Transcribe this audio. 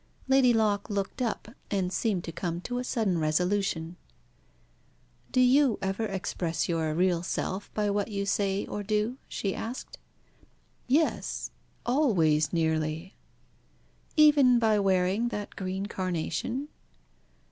Lady Locke looked up, and seemed to come to a sudden resolution. "Do you ever express your real self by what you say or do?" she asked. "Yes, always nearly." "Even by wearing that green carnation?"